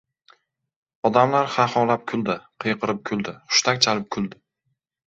Odamlar xaxolab kuldi, qiyqirib kuldi, hushtak chalib kuldi.